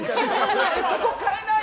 そこ変えないで！